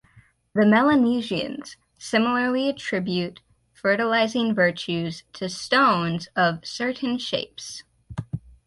The Melanesians similarly attribute fertilizing virtues to stones of certain shapes.